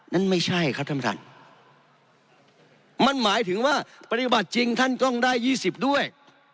นั่นไม่ใช่ครับท่านท่านมันหมายถึงว่าปฏิบัติจริงท่านต้องได้ยี่สิบด้วย